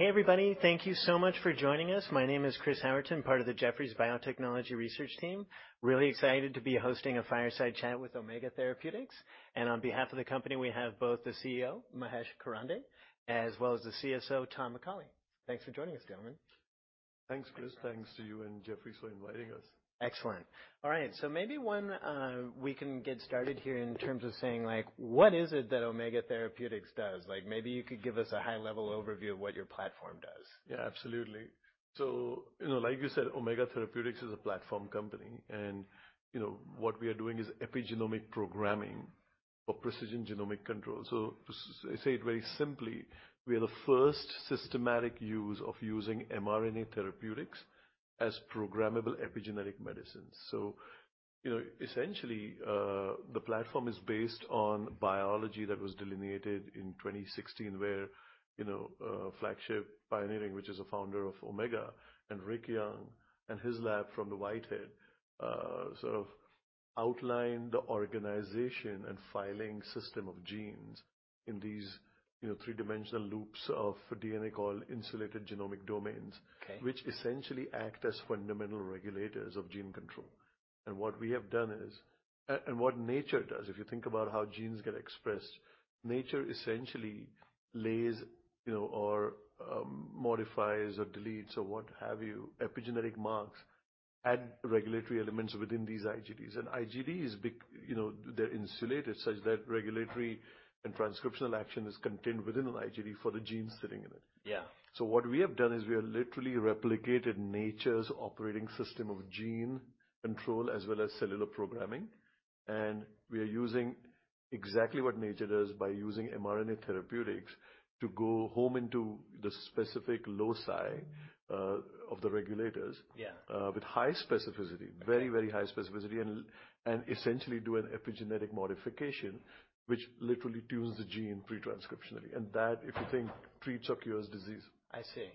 Hey, everybody. Thank you so much for joining us. My name is Chris Howerton, part of the Jefferies Biotechnology Research Team. Really excited to be hosting a fireside chat with Omega Therapeutics. On behalf of the company, we have both the CEO, Mahesh Karande, as well as the CSO, Thomas McCauley. Thanks for joining us, gentlemen. Thanks, Chris. Thanks to you and Jefferies for inviting us. Excellent. All right. Maybe one, we can get started here in terms of saying, like, what is it that Omega Therapeutics does? Like, maybe you could give us a high-level overview of what your platform does? Yeah, absolutely. You know, like you said, Omega Therapeutics is a platform company. You know, what we are doing is Epigenomic Programming for precision genomic control. To say it very simply, we are the first systematic use of using mRNA therapeutics as programmable epigenetic medicines. You know, essentially, the platform is based on biology that was delineated in 2016, where, you know, Flagship Pioneering, which is a founder of Omega and Rick Young and his lab from the Whitehead Institute, sort of outlined the organization and filing system of genes in these, you know, three-dimensional loops of DNA called insulated genomic domains. Okay. Which essentially act as fundamental regulators of gene control. What we have done is and what nature does, if you think about how genes get expressed, nature essentially lays, you know, or modifies or deletes or what have you, epigenetic marks, add regulatory elements within these IGDs. IGD is big, you know, they're insulated such that regulatory and transcriptional action is contained within an IGD for the gene sitting in it. Yeah. What we have done is we have literally replicated nature's operating system of gene control as well as cellular programming. We are using exactly what nature does by using mRNA therapeutics to home into the specific loci of the regulators. Yeah. with high specificity. Okay ...very, very high specificity and essentially do an epigenetic modification, which literally tunes the gene pre-transcriptionally. That, if you think, treats or cures disease. I see.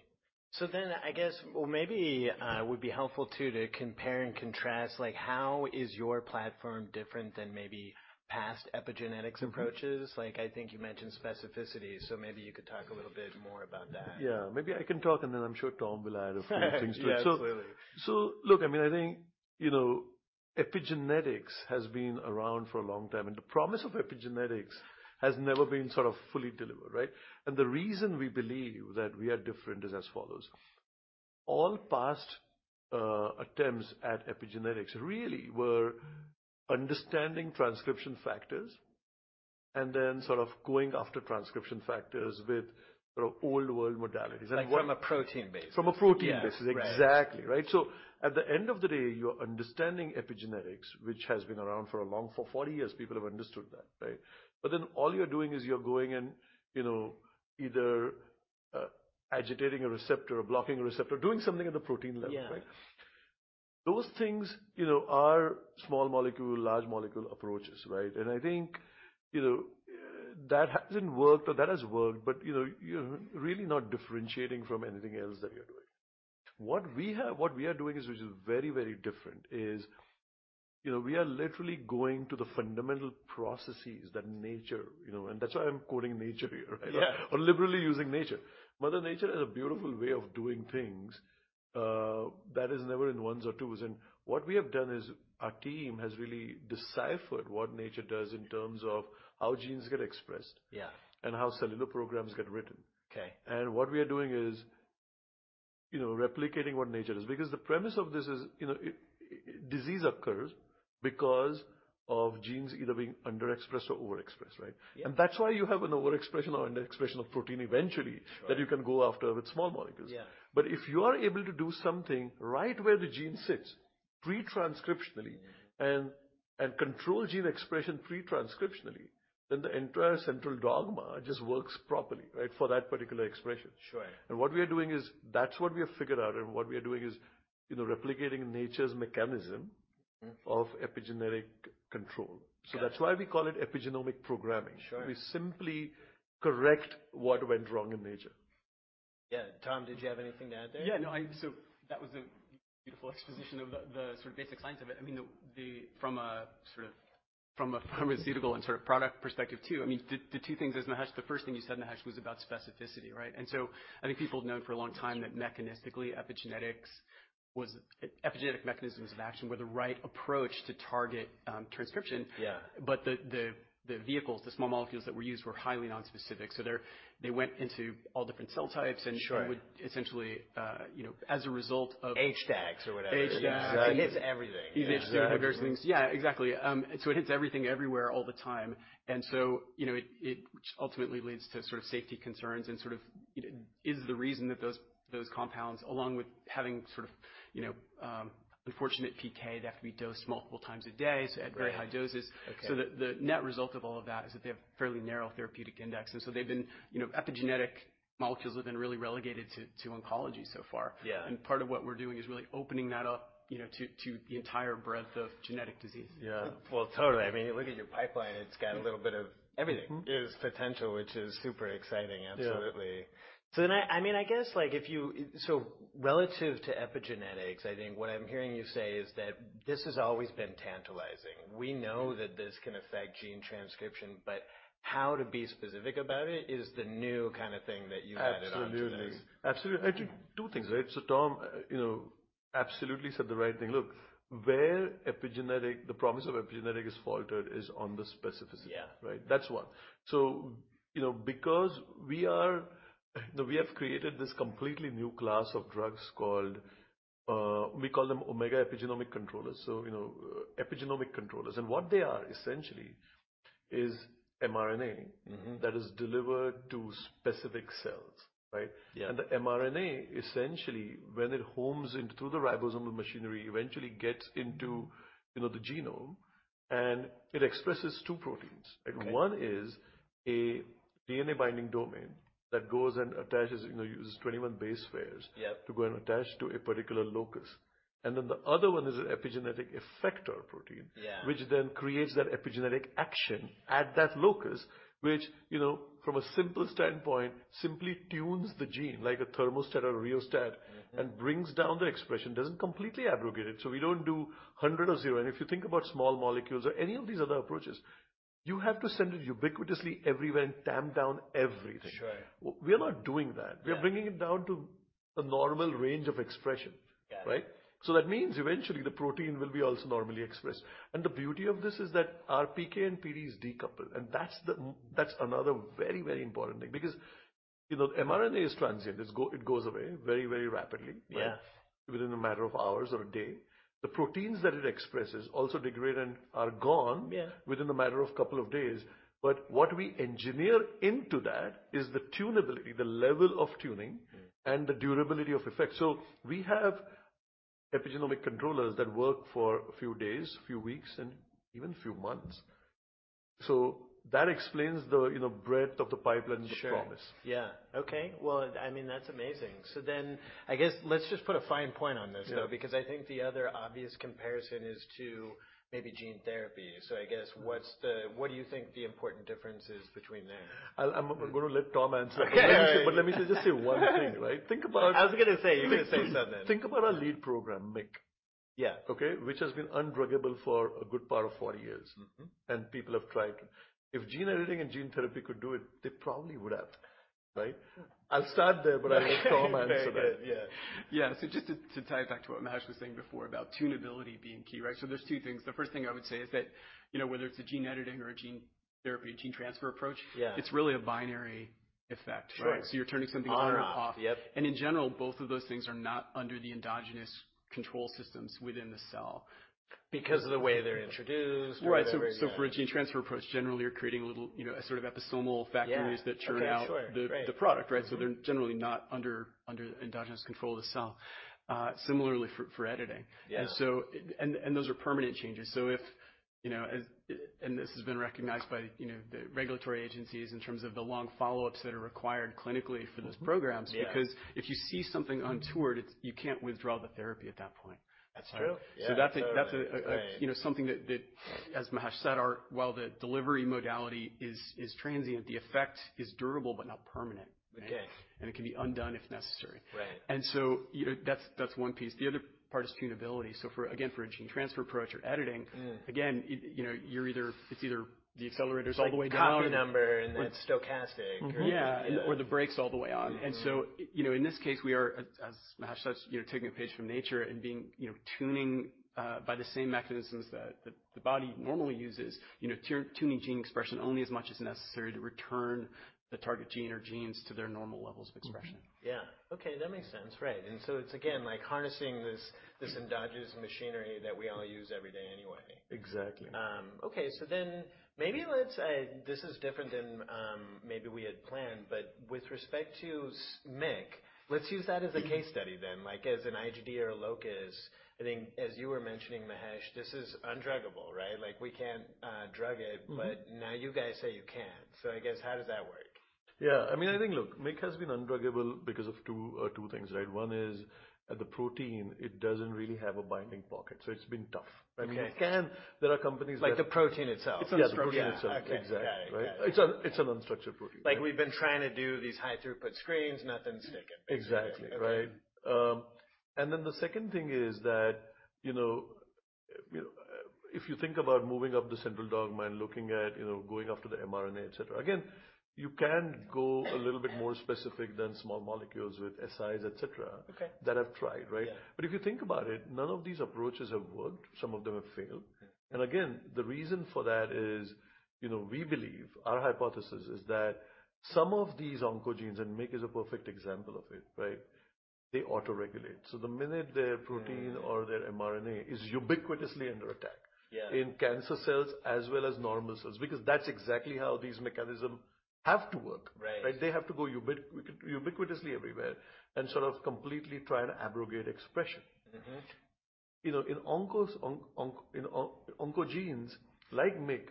I guess or maybe would be helpful too, to compare and contrast, like how is your platform different than maybe past epigenetics approaches? Like, I think you mentioned specificity, so maybe you could talk a little bit more about that. Yeah. Maybe I can talk and then I'm sure Tom will add a few things to it. Yeah, absolutely. Look, I mean, I think, you know, epigenetics has been around for a long time, and the promise of epigenetics has never been sort of fully delivered, right? The reason we believe that we are different is as follows. All past attempts at epigenetics really were understanding transcription factors and then sort of going after transcription factors with, you know, old world modalities. Like from a protein base. From a protein base. Yeah. Right. Exactly. Right. At the end of the day, you're understanding epigenetics, which has been around for 40 years, people have understood that, right? All you're doing is you're going and, you know, either agitating a receptor or blocking a receptor, doing something at the protein level. Yeah. Right? Those things, you know, are small molecule, large molecule approaches, right? I think, you know, that hasn't worked or that has worked, but, you know, you're really not differentiating from anything else that you're doing. What we are doing is, which is very, very different, you know, we are literally going to the fundamental processes that nature, you know, and that's why I'm quoting nature here, right? Yeah. Liberally using nature. Mother Nature has a beautiful way of doing things that is never in ones or twos. What we have done is our team has really deciphered what nature does in terms of how genes get expressed. Yeah. How cellular programs get written. Okay. What we are doing is, you know, replicating what nature does. Because the premise of this is, you know, disease occurs because of genes either being underexpressed or overexpressed, right? Yeah. That's why you have an overexpression or underexpression of protein eventually. Sure That you can go after with small molecules. Yeah. If you are able to do something right where the gene sits pre-transcriptionally and control gene expression pre-transcriptionally, then the entire central dogma just works properly, right? For that particular expression. Sure. What we are doing is that's what we have figured out, and what we are doing is, you know, replicating nature's mechanism. Mm-hmm of epigenetic control. Yeah. That's why we call it Epigenomic Programming. Sure. We simply correct what went wrong in nature. Yeah. Tom, did you have anything to add there? Yeah. No, so that was a beautiful exposition of the sort of basic science of it. I mean, from a pharmaceutical and sort of product perspective too, I mean, the two things as Mahesh. The first thing you said, Mahesh, was about specificity, right? I think people have known for a long time that mechanistically, epigenetic mechanisms of action were the right approach to target transcription. Yeah. The vehicles, the small molecules that were used were highly nonspecific. They went into all different cell types and Sure. Would essentially, you know, as a result of HDACs or whatever. HDACs. Yeah. It hits everything. Hits everything, various things. Yeah, exactly. It hits everything everywhere all the time. You know, it ultimately leads to sort of safety concerns and sort of is the reason that those compounds along with having sort of, you know, unfortunate PK, they have to be dosed multiple times a day. Right at very high doses. Okay. The net result of all of that is that they have fairly narrow therapeutic index. They've been, you know, epigenetic molecules have been really relegated to oncology so far. Yeah. Part of what we're doing is really opening that up, you know, to the entire breadth of genetic disease. Yeah. Well, totally. I mean, look at your pipeline. It's got a little bit of everything? Mm-hmm. There's potential, which is super exciting. Yeah. Absolutely. Relative to epigenetics, I think what I'm hearing you say is that this has always been tantalizing. We know that this can affect gene transcription, but how to be specific about it is the new kind of thing that you added on to this. Absolutely. I think two things, right? Tom, you know, absolutely said the right thing. Look, where epigenetics, the promise of epigenetics, has faltered is on the specificity. Yeah. Right? That's one. You know, we have created this completely new class of drugs called, we call them Omega Epigenomic Controllers. You know, epigenomic controllers. What they are essentially is mRNA- Mm-hmm. That is delivered to specific cells, right? Yeah. The mRNA, essentially, when it hones in through the ribosomal machinery, eventually gets into, you know, the genome, and it expresses two proteins. Okay. One is a DNA binding domain that goes and attaches, you know, uses 21 base pairs. Yep. To go and attach to a particular locus. The other one is an epigenetic effector protein. Yeah. Which then creates that epigenetic action at that locus, which, you know from a simple standpoint, simply tunes the gene like a thermostat or rheostat and brings down the expression. Doesn't completely abrogate it. We don't do 100 or 0. If you think about small molecules or any of these other approaches, you have to send it ubiquitously everywhere and tamp down everything. Sure. We're not doing that. Yeah. We are bringing it down to a normal range of expression. Got it. Right? That means eventually the protein will be also normally expressed. The beauty of this is that our PK and PD is decoupled, and that's another very, very important thing. Because, you know, mRNA is transient. It goes away very, very rapidly. Yeah. Within a matter of hours or a day. The proteins that it expresses also degrade and are gone. Yeah. Within a matter of couple of days. What we engineer into that is the tunability, the level of tuning, and the durability of effect. We have Epigenomic Controllers that work for a few days, few weeks, and even few months. That explains the, you know, breadth of the pipeline's promise. Sure. Yeah. Okay. Well, I mean, that's amazing. I guess let's just put a fine point on this, though. Yeah. I think the other obvious comparison is to maybe gene therapy. I guess what do you think the important difference is between them? I'm gonna let Tom answer. Okay. Let me just say one thing, right? I was gonna say, you're gonna say something. Think about our lead program, MYC. Yeah. Okay? Which has been undruggable for a good part of 40 years. Mm-hmm. People have tried. If gene editing and gene therapy could do it, they probably would have, right? I'll stop there, but I'll let Tom answer that. Okay. Good. Yeah. Yeah. Just to tie it back to what Mahesh was saying before about tunability being key, right? There's two things. The first thing I would say is that, you know, whether it's a gene editing or a gene therapy, gene transfer approach- Yeah. It's really a binary effect, right? Sure. You're turning something on and off. Yep. In general, both of those things are not under the endogenous control systems within the cell. Because of the way they're introduced or whatever, yeah. Right. For a gene transfer approach, generally you're creating little, you know, sort of episomal factories that churn out- Yeah. Okay. Sure. Great. the product, right? Mm-hmm. They're generally not under the endogenous control of the cell. Similarly for editing. Yeah. those are permanent changes. This has been recognized by, you know, the regulatory agencies in terms of the long follow-ups that are required clinically for those programs. Yeah. Because if you see something untoward, it's you can't withdraw the therapy at that point. That's true. That's, you know, something that, as Mahesh said, while the delivery modality is transient, the effect is durable but not permanent. Okay. It can be undone if necessary. Right. You know, that's one piece. The other part is tunability. For, again, for a gene transfer approach or editing. Mm. Again, you know, it's either the accelerator is all the way down. Like copy number and it's stochastic. Mm-hmm. Right? Yeah. Yeah. The brake's all the way on. Mm-hmm. You know, in this case, we are, as Mahesh says, you know, taking a page from nature and being, you know, tuning by the same mechanisms that the body normally uses. You know, tuning gene expression only as much as necessary to return the target gene or genes to their normal levels of expression. Yeah. Okay, that makes sense. Right. It's again, like harnessing this endogenous machinery that we all use every day anyway. Exactly. Okay. Maybe let's, this is different than, maybe we had planned, but with respect to MYC, let's use that as a case study then, like as an IGD or a locus. I think as you were mentioning, Mahesh, this is undruggable, right? Like, we can't drug it. Mm-hmm. Now you guys say you can. I guess, how does that work? Yeah. I mean, I think, look, MYC has been undruggable because of two things, right? One is the protein, it doesn't really have a binding pocket, so it's been tough. Okay. I mean, you can. There are companies that. Like the protein itself? Yeah, the protein itself. Okay. Got it. Exactly. Right? Got it. It's an unstructured protein. Like, we've been trying to do these high throughput screens, nothing's sticking, basically. Exactly. Okay. Right? The second thing is that, you know, if you think about moving up the central dogma and looking at, you know, going after the mRNA, et cetera. Again, you can go a little bit more specific than small molecules with ASOs, et cetera. Okay that have tried, right? Yeah. if you think about it, none of these approaches have worked, some of them have failed. Okay. Again, the reason for that is, you know, we believe, our hypothesis is that some of these oncogenes, and MYC is a perfect example of it, right? They auto-regulate. The minute their protein- Yeah Their mRNA is ubiquitously under attack. Yeah In cancer cells as well as normal cells, because that's exactly how these mechanisms have to work. Right. Right? They have to go ubiquitously everywhere and sort of completely try to abrogate expression. Mm-hmm. You know, in oncogenes like MYC,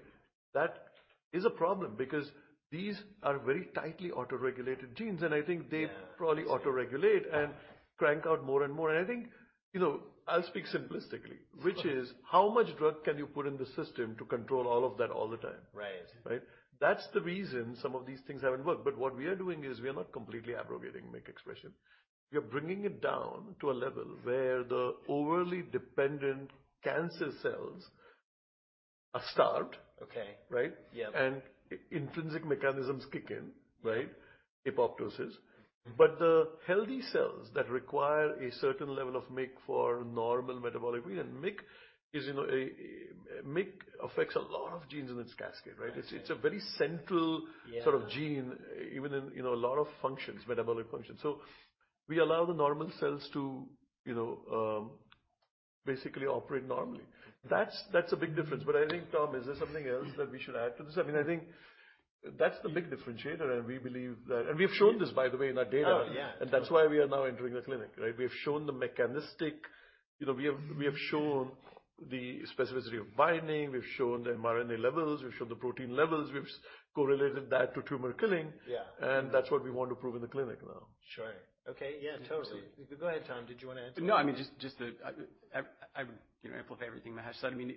that is a problem because these are very tightly auto-regulated genes, and I think they Yeah probably auto-regulate and crank out more and more. I think, you know, I'll speak simplistically. Of course. Which is, how much drug can you put in the system to control all of that all the time? Right. Right? That's the reason some of these things haven't worked. What we are doing is we are not completely abrogating MYC expression. We are bringing it down to a level where the overly dependent cancer cells are starved. Okay. Right? Yeah. Intrinsic mechanisms kick in, right? Apoptosis. But the healthy cells that require a certain level of MYC for normal metabolic reason, MYC is, you know, MYC affects a lot of genes in its cascade, right? I see. It's a very central. Yeah. sort of gene even in, you know, a lot of functions, metabolic functions. We allow the normal cells to, you know, basically operate normally. That's a big difference. I think, Tom, is there something else that we should add to this? I mean, I think that's the big differentiator, and we believe that. We've shown this by the way in our data. Oh, yeah. That's why we are now entering the clinic, right? We have shown the mechanistic. You know, we have shown the specificity of binding. We've shown the mRNA levels. We've shown the protein levels. We've correlated that to tumor killing. Yeah. That's what we want to prove in the clinic now. Sure. Okay. Yeah, totally. Go ahead, Tom. Did you wanna add to it? No, I mean, just to, you know, amplify everything Mahesh said. I mean,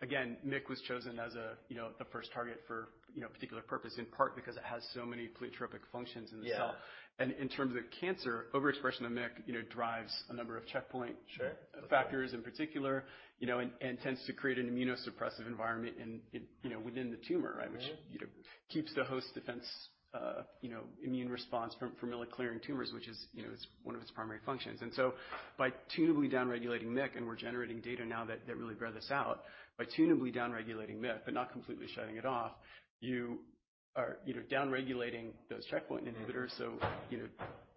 Again, MYC was chosen as a, you know, the first target for, you know, a particular purpose, in part because it has so many pleiotropic functions in the cell. Yeah. In terms of cancer, overexpression of MYC, you know, drives a number of checkpoint. Sure. Factors in particular, you know, and tends to create an immunosuppressive environment in, you know, within the tumor, right? Mm-hmm. Which, you know, keeps the host defense immune response from really clearing tumors, which is, you know, it's one of its primary functions. By tunably down-regulating MYC, and we're generating data now that really bear this out, by tunably down-regulating MYC, but not completely shutting it off, you are, you know, down-regulating those checkpoint inhibitors. You know,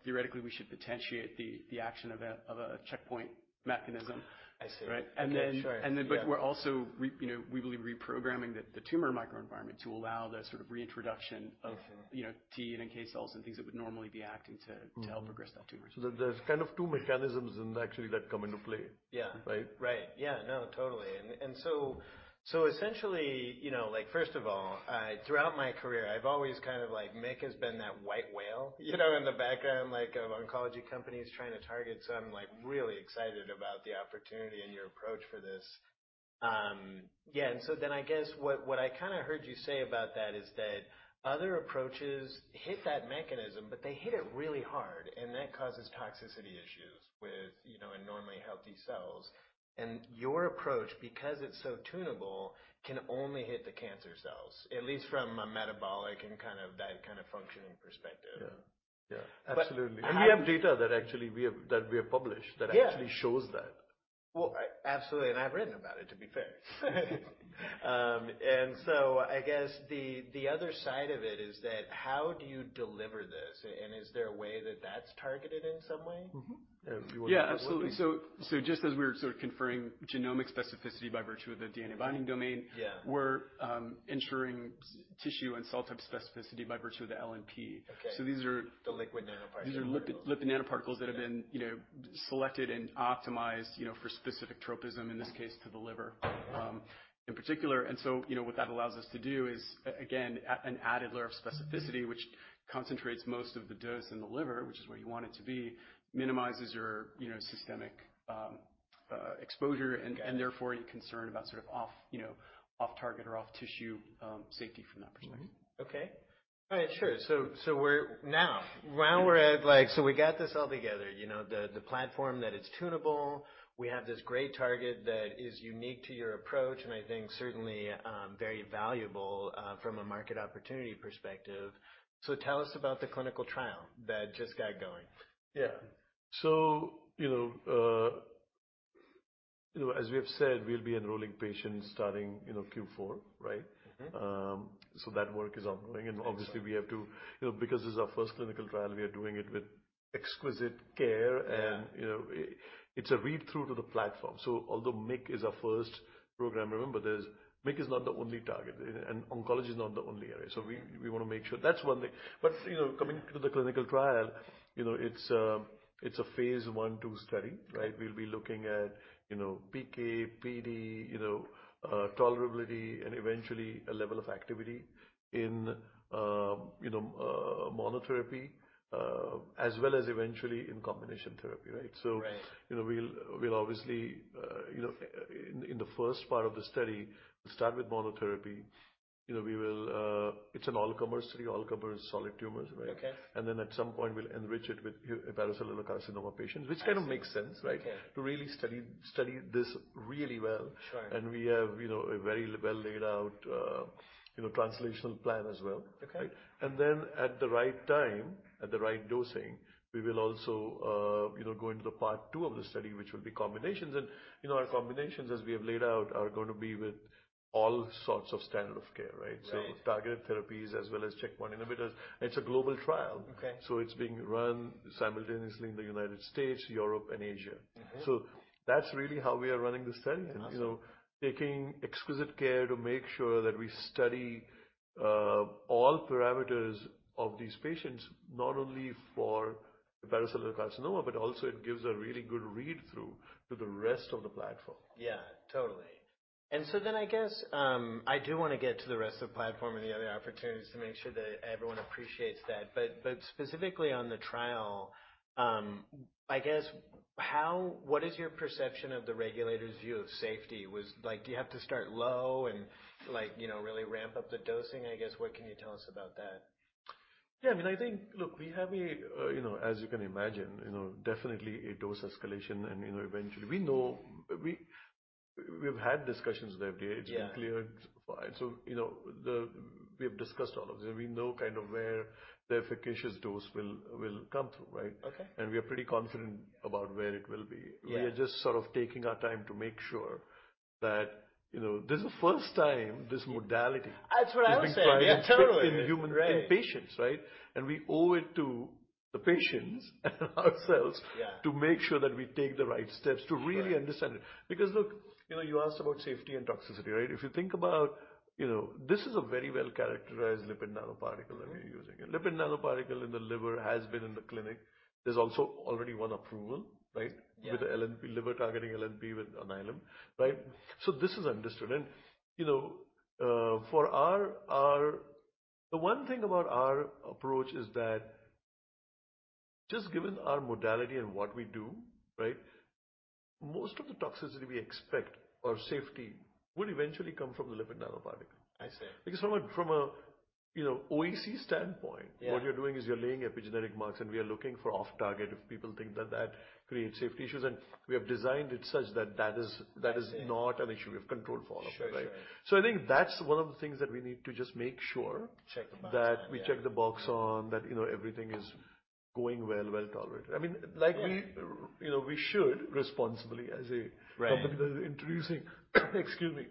theoretically, we should potentiate the action of a checkpoint mechanism. I see. Right? Okay. Sure. Yeah. We're also, you know, we believe reprogramming the tumor microenvironment to allow the sort of reintroduction of I see. you know, T and NK cells and things that would normally be acting to Mm-hmm. to help regress those tumors. There's kind of two mechanisms in actually that come into play. Yeah. Right? Right. Yeah, no, totally. Essentially, you know, like, first of all, throughout my career, I've always kind of like MYC has been that white whale, you know, in the background like of oncology companies trying to target. I'm like really excited about the opportunity and your approach for this. Yeah, then I guess what I kinda heard you say about that is that other approaches hit that mechanism, but they hit it really hard, and that causes toxicity issues with, you know, in normally healthy cells. Your approach, because it's so tunable, can only hit the cancer cells, at least from a metabolic and that kind of functioning perspective. Yeah. Yeah. Absolutely. How? We have data that we have published. Yeah. That actually shows that. Well, absolutely, and I've written about it, to be fair. I guess the other side of it is that how do you deliver this, and is there a way that that's targeted in some way? If you wanna go for it. Yeah, absolutely. Just as we're sort of conferring genomic specificity by virtue of the DNA binding domain. Yeah. We're ensuring tissue and cell type specificity by virtue of the LNP. Okay. These are. The lipid nanoparticles. These are liquid, lipid nanoparticles. Yeah. you know, selected and optimized, you know, for specific tropism, in this case, to the liver, in particular. you know, what that allows us to do is an added layer of specificity, which concentrates most of the dose in the liver, which is where you want it to be, minimizes your, you know, systemic, exposure and therefore any concern about sort of off, you know, off target or off tissue, safety from that perspective. Mm-hmm. Okay. All right, sure. Now we're at like we got this all together, you know, the platform that it's tunable. We have this great target that is unique to your approach and I think certainly very valuable from a market opportunity perspective. Tell us about the clinical trial that just got going. Yeah. You know, as we have said, we'll be enrolling patients starting, you know, Q4, right? Mm-hmm. that work is ongoing. Awesome. Obviously we have to. You know, because this is our first clinical trial, we are doing it with exquisite care and. Yeah. You know, it's a read-through to the platform. Although MYC is our first program, remember, MYC is not the only target and oncology is not the only area. We wanna make sure. That's one thing. You know, coming to the clinical trial, you know, it's a phase 1/2 study, right? Right. We'll be looking at, you know, PK/PD, you know, tolerability, and eventually a level of activity in, you know, monotherapy, as well as eventually in combination therapy, right? Right. you know, we'll obviously, you know, in the first part of the study start with monotherapy. You know, it's an all-comer study. All-comer is solid tumors, right? Okay. At some point we'll enrich it with hepatocellular carcinoma patients. I see. Which kind of makes sense, right? Okay. To really study this really well. Sure. We have, you know, a very well laid out, you know, translational plan as well. Okay. Right? At the right time, at the right dosing, we will also, you know, go into the part two of the study, which will be combinations. You know, our combinations, as we have laid out, are gonna be with all sorts of standard of care, right? Right. Targeted therapies as well as checkpoint inhibitors. It's a global trial. Okay. It's being run simultaneously in the United States, Europe, and Asia. Mm-hmm. That's really how we are running the study. Awesome. You know, taking exquisite care to make sure that we study all parameters of these patients, not only for the hepatocellular carcinoma, but also it gives a really good read-through to the rest of the platform. Yeah. Totally. I guess I do wanna get to the rest of the platform and the other opportunities to make sure that everyone appreciates that, but specifically on the trial, I guess what is your perception of the regulator's view of safety? Like, do you have to start low and like, you know, really ramp up the dosing? I guess, what can you tell us about that? Yeah, I mean, I think, look, we have a, you know, as you can imagine, you know, definitely a dose escalation and, you know, eventually. We know we've had discussions with FDA. Yeah. It's been cleared for it. You know, we have discussed all of this. We know kind of where the efficacious dose will come from, right? Okay. We are pretty confident about where it will be. Yeah. We are just sort of taking our time to make sure that, you know, this is the first time this modality. That's what I was saying. Is being tried and tested. Yeah, totally. In human- Right. In patients, right? We owe it to the patients and ourselves. Yeah. To make sure that we take the right steps. Right. To really understand it. Because look, you know, you asked about safety and toxicity, right? If you think about, you know, this is a very well-characterized lipid nanoparticle that we're using. Mm-hmm. Lipid nanoparticle in the liver has been in the clinic. There's also already one approval, right? Yeah. With the LNP, liver targeting LNP with Onpattro, right? This is understood. You know, the one thing about our approach is that just given our modality and what we do, right? Most of the toxicity we expect or safety will eventually come from the lipid nanoparticle. I see. Because from a, you know, OEC standpoint. Yeah. What you're doing is you're laying epigenetic marks, and we are looking for off-target, if people think that that creates safety issues. We have designed it such that that is not an issue. I see. We have control follow-up, right? Sure. Sure. I think that's one of the things that we need to just make sure. Check the box on, yeah. That we check the box on that, you know, everything is going well, well-tolerated. I mean, like we Yeah. You know, we should responsibly as a. Right. Company that is introducing, excuse me,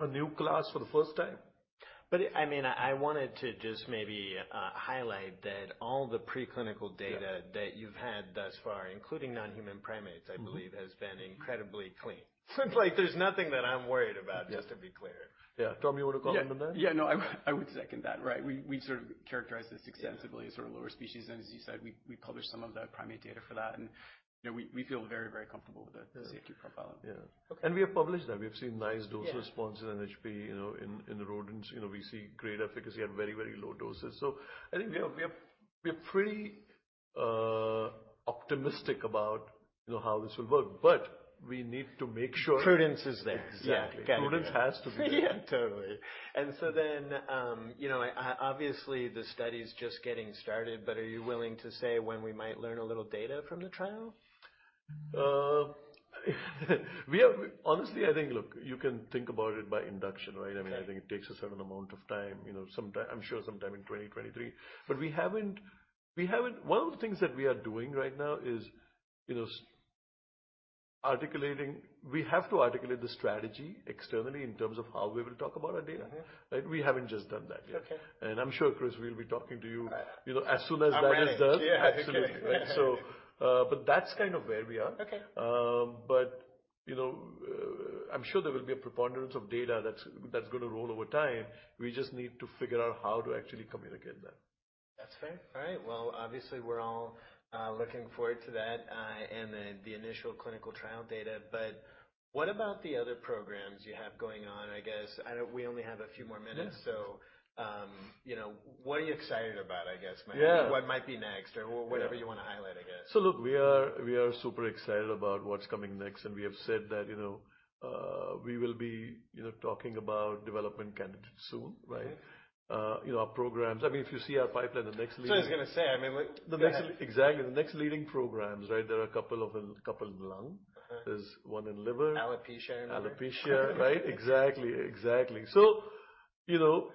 a new class for the first time. I mean, I wanted to just maybe highlight that all the preclinical data. Yeah. That you've had thus far, including non-human primates. Mm-hmm. I believe has been incredibly clean. Like, there's nothing that I'm worried about. Yeah. Just to be clear. Yeah. Tom, you wanna comment on that? Yeah. No, I would second that, right. We sort of characterized this extensively. Yeah. Sort of lower species. As you said, we published some of the primate data for that and, you know, we feel very comfortable with the safety profile. Yeah. Okay. We have published that. We have seen nice dose response. Yeah. In NHP, you know, in the rodents. You know, we see great efficacy at very, very low doses. I think we are pretty optimistic about, you know, how this will work. We need to make sure. Prudence is there. Exactly. Yeah. Got it. Prudence has to be there. Yeah, totally. You know, obviously the study's just getting started, but are you willing to say when we might learn a little data from the trial? Honestly, I think, look, you can think about it by induction, right? Okay. I mean, I think it takes a certain amount of time, you know. I'm sure sometime in 2023. We haven't. One of the things that we are doing right now is, you know, articulating. We have to articulate the strategy externally in terms of how we will talk about our data. Mm-hmm. Right? We haven't just done that yet. Okay. I'm sure, Chris, we'll be talking to you. I- You know, as soon as that is done. I'm ready. Yeah. Absolutely. Right. That's kind of where we are. Okay. You know, I'm sure there will be a preponderance of data that's gonna roll over time. We just need to figure out how to actually communicate that. That's fair. All right. Well, obviously we're all looking forward to that, and the initial clinical trial data. What about the other programs you have going on? We only have a few more minutes. Mm-hmm. you know, what are you excited about, I guess, Mahesh? Yeah. What might be next or whatever you wanna highlight, I guess? Look, we are super excited about what's coming next. We have said that, you know, we will be, you know, talking about development candidates soon, right? Mm-hmm. You know, our programs. I mean, if you see our pipeline, the next leading- That's what I was gonna say, I mean, like. Exactly. The next leading programs, right? There are a couple in lung. Mm-hmm. There's one in liver. Alopecia. Alopecia, right? Exactly. You know,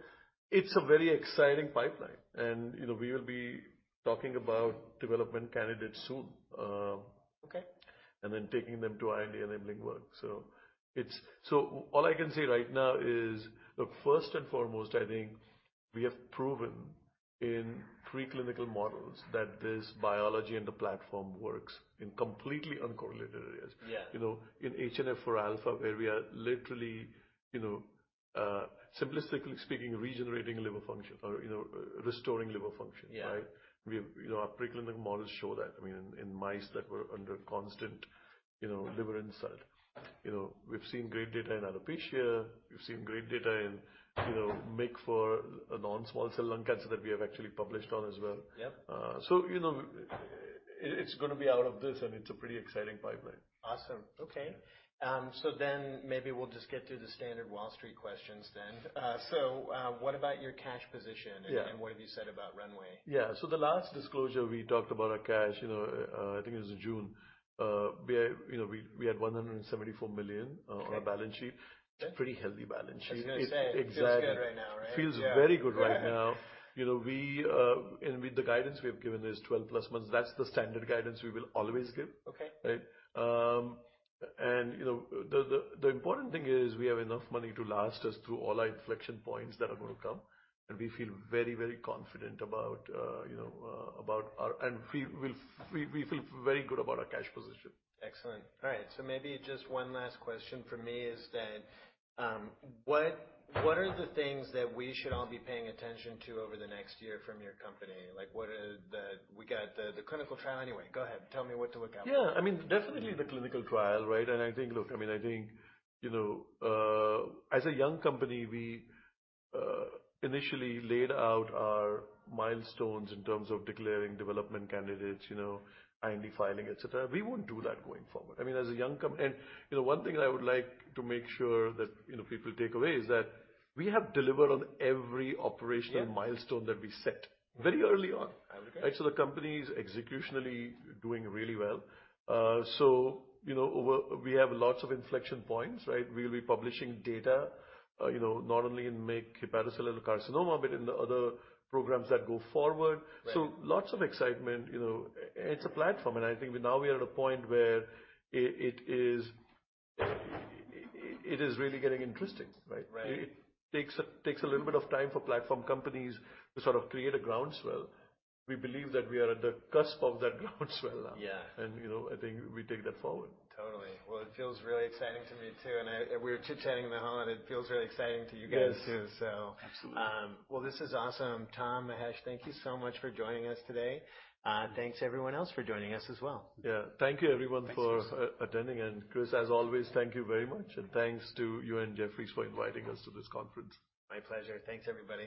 it's a very exciting pipeline and, you know, we will be talking about development candidates soon. Okay. Taking them to our IND enabling work. All I can say right now is, look, first and foremost, I think we have proven in preclinical models that this biology and the platform works in completely uncorrelated areas. Yeah. You know, in HNF4α, where we are literally, you know, simplistically speaking, regenerating liver function or, you know, restoring liver function. Yeah. Right? We've, you know, our preclinical models show that, I mean, in mice that were under constant, you know, liver insult. You know, we've seen great data in alopecia. We've seen great data in, you know, MYC for a non-small cell lung cancer that we have actually published on as well. Yep. You know, it's gonna be out of this, and it's a pretty exciting pipeline. Awesome. Okay. Yeah. Maybe we'll just get through the standard Wall Street questions then. What about your cash position? Yeah. What have you said about runway? Yeah. The last disclosure, we talked about our cash, you know, I think it was in June. We, you know, had $174 million- Okay. On our balance sheet. Okay. Pretty healthy balance sheet. I was gonna say. Exactly. Feels good right now, right? Feels very good right now. Yeah. You know, with the guidance we have given is 12+ months. That's the standard guidance we will always give. Okay. Right? You know, the important thing is we have enough money to last us through all our inflection points that are gonna come, and we feel very, very confident about, you know, about our cash position. Excellent. All right. Maybe just one last question from me is that, what are the things that we should all be paying attention to over the next year from your company? We got the clinical trial. Anyway, go ahead. Tell me what to look out for. Yeah. I mean, definitely the clinical trial, right? I think, you know, as a young company, we initially laid out our milestones in terms of declaring development candidates, you know, IND filing, et cetera. We won't do that going forward. You know, one thing that I would like to make sure that, you know, people take away is that we have delivered on every operational milestone. Yeah. That we set very early on. Okay. Right? The company's executionally doing really well. We have lots of inflection points, right? We'll be publishing data, not only in MYC hepatocellular carcinoma, but in the other programs that go forward. Right. Lots of excitement. You know, it's a platform, and I think now we are at a point where it is really getting interesting, right? Right. It takes a little bit of time for platform companies to sort of create a groundswell. We believe that we are at the cusp of that groundswell now. Yeah. You know, I think we take that forward. Totally. Well, it feels really exciting to me too. We were chit-chatting in the hall, and it feels really exciting to you guys too. Yes. So- Absolutely. Well, this is awesome. Tom, Mahesh, thank you so much for joining us today. Thanks everyone else for joining us as well. Yeah. Thank you everyone for attending. Thanks, Chris. Chris, as always, thank you very much, and thanks to you and Jefferies for inviting us to this conference. My pleasure. Thanks, everybody.